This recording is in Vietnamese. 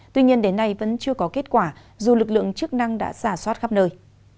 tuy nhiên đến nay vẫn chưa có kết quả dù lực lượng chức năng đã giả soát khắp nơi